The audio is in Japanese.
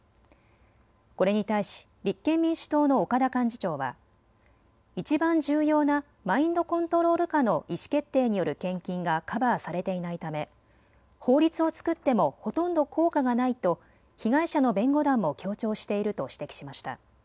これに対し立憲民主党の岡田幹事長はいちばん重要なマインドコントロール下の意思決定による献金がカバーされていないため法律を作ってもほとんど効果がないと被害者の弁護団も強調していると指摘しました。